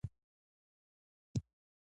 تخلص د ځان له صفاتو سره همږغى وټاکئ!